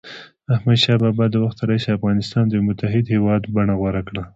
د احمدشاه بابا د وخت راهيسي افغانستان د یوه متحد هېواد بڼه غوره کړه.